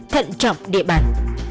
thận trọng địa bàn